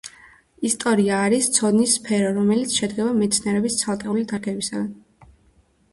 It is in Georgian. ისტორია არის ცოდნის სფერო, რომელიც შედგება მეცნიერების ცალკეული დარგებისაგან,